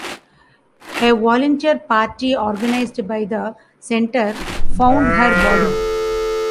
A volunteer party organized by the Center found her body.